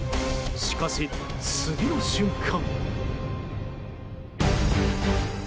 しかし、次の瞬間。